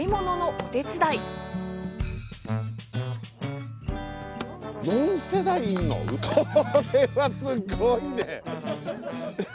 これは、すごいね！